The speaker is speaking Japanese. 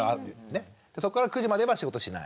そこから９時までは仕事しない。